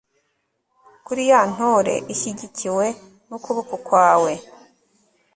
kuri ya ntore ishyigikiwe n'ukuboko kwawe